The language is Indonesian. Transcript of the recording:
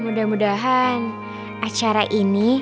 mudah mudahan acara ini